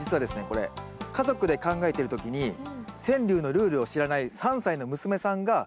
これ家族で考えている時に川柳のルールを知らない３歳の娘さんが突然詠んでくれた。